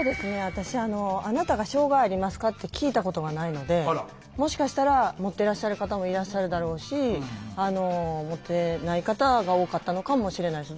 私「あなたが障害ありますか？」って聞いたことがないのでもしかしたらもってらっしゃる方もいらっしゃるだろうしあのもってない方が多かったのかもしれないし。